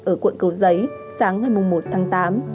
ở quận cầu giấy sáng ngày một tháng tám